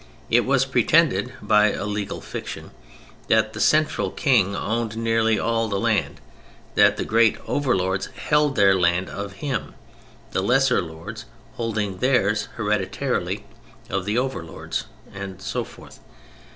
It was pretended—by a legal fiction—that the central King owned nearly all the land, that the great overlords "held" their land of him, the lesser lords "holding" theirs hereditarily of the overlords, and so forth.